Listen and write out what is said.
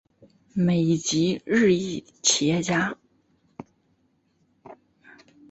美籍日裔企业家。